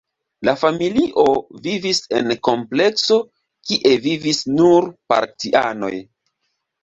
La familio vivis en komplekso, kie vivis nur partianoj.